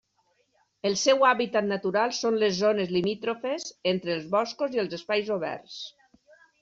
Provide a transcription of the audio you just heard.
El seu hàbitat natural són les zones limítrofes entre els boscos i els espais oberts.